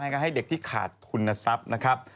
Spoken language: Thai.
ก็ให้เด็กที่ขาดทุนทรัพย์นะครับ